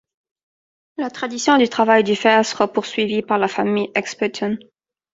La tradition du travail du fer sera poursuivi par la famille Experton.